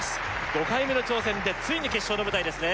５回目の挑戦でついに決勝の舞台ですね